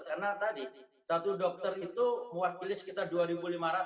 karena tadi satu dokter itu muafilis sekitar dua lima ratus